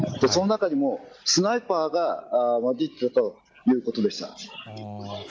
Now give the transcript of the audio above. その中にもスナイパーが混じっていたということでした。